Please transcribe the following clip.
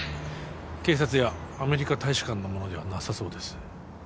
警察やアメリカ大使館のものではなさそうです